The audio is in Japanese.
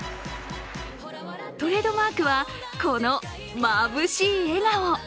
トレードマークは、このまぶしい笑顔。